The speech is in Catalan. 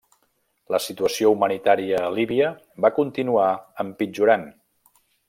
La situació humanitària a Líbia va continuar empitjorant.